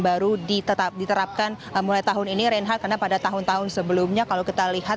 baru diterapkan mulai tahun ini reinhardt karena pada tahun tahun sebelumnya kalau kita lihat